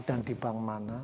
dan di bank mana